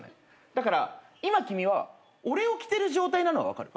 だから今君は俺を着てる状態なのは分かる？